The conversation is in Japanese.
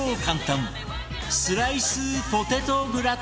スライスポテトグラタン